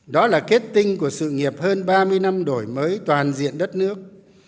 đó là kết tinh của sự nghiệp hơn ba mươi năm đổi mới toàn diện đất nước